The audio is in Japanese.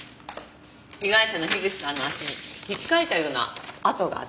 被害者の口さんの足に引っかいたような痕があったでしょう？